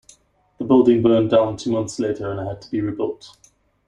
The building burned down two months later and had to be rebuilt.